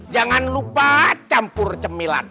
jangan lupa campur cemilan